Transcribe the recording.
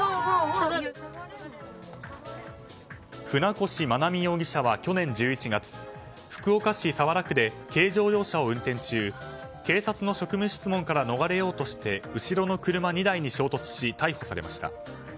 舟越真奈美容疑者は去年１１月福岡市早良区で軽乗用車を運転中警察の職務質問から逃れようとして後ろの車２台に衝突し逮捕されました。